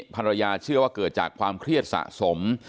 ภรรยาเชื่อว่าเกิดจากความเครียดสะสม